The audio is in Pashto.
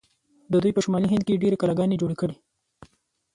دوی په شمالي هند کې ډیرې کلاګانې جوړې کړې.